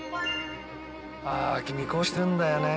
あ君に恋してるんだよね。